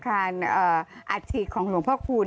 อาทิตย์ของหลวงพ่อพูน